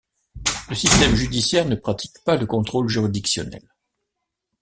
Le système judiciaire ne pratique pas le contrôle juridictionnel.